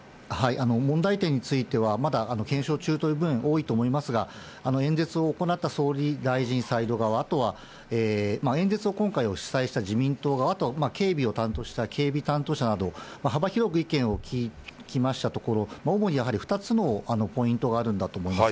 問題点については、まだ検証中という部分が多いと思いますが、演説を行った総理大臣サイド側、あとは演説を今回主催した自民党側と、警備を担当した警備担当者など、幅広く意見を聞きましたところ、主にやはり２つのポイントがあるんだと思います。